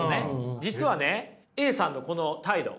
実はねＡさんのこの態度これがね